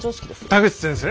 田口先生。